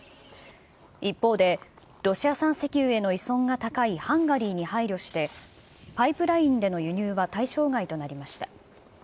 一方で、ロシア産石油への依存が高いハンガリーに配慮して、パイプラインでの輸入は対象外となりました。